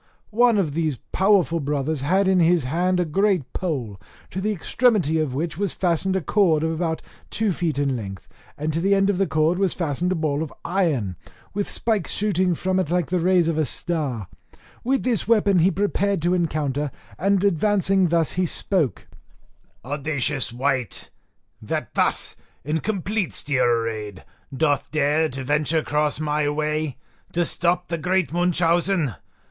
One of these powerful brothers had in his hand a great pole, to the extremity of which was fastened a cord of about two feet in length, and to the end of the cord was fastened a ball of iron, with spikes shooting from it like the rays of a star; with this weapon he prepared to encounter, and advancing thus he spoke: "Audacious wight! that thus, in complete steel arrayed, doth dare to venture cross my way, to stop the great Munchausen.